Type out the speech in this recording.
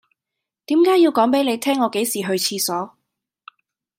點解要講俾你聽我幾時去廁所